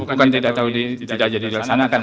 bapak tidak tahu tidak jadi dilaksanakan